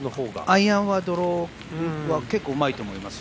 アイアンはドローは結構うまいと思いますよ。